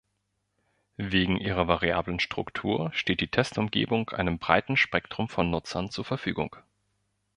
Wegen ihrer variablen Struktur steht die Testumgebung einem breiten Spektrum von Nutzern zur Verfügung.